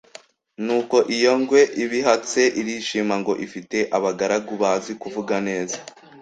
Nuko iyo ngwe ibihatse, irishima ngo ifite abagaragu bazi kuvuga neza